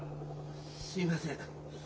すいません。